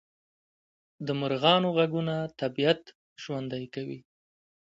د مرغانو غږونه طبیعت ژوندی کوي